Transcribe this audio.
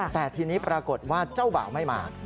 แต่ทีนี้ปรากฏว่าเจ้าบ่าวไม่มา